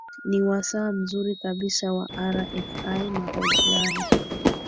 ni wasaa mzuri kabisa wa rfi mahojiano